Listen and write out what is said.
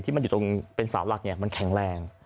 ที่มันอยู่ตรงเป็นสาวหลักเนี่ยมันแข็งแรง